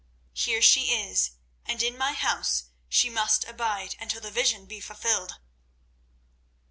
Here she is, and in my house she must abide until the vision be fulfilled."